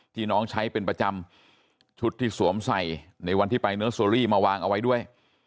น้องใช้เป็นประจำชุดที่สวมใส่ในวันที่ไปเนอร์เซอรี่มาวางเอาไว้ด้วย